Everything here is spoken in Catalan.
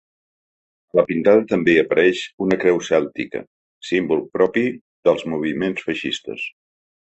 A la pintada també hi apareix una creu cèltica, símbol propi dels moviments feixistes.